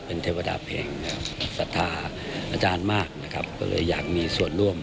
เป็นเทวดาเพลงศรัทธาอาจารย์มากนะครับก็เลยอยากมีส่วนร่วม